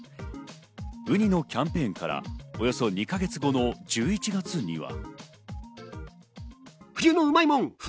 ウニのキャンペーンからおよそ２か月後の１１月には。